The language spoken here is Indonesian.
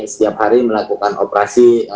setiap hari melakukan operasi